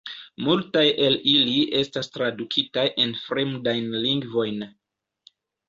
Multaj el ili estas tradukitaj en fremdajn lingvojn.